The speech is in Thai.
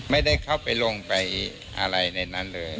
ไม่ได้เข้าไปลงไปอะไรในนั้นเลย